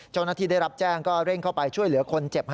เจ้าหน้าที่ได้รับแจ้งก็เร่งเข้าไปช่วยเหลือคนเจ็บ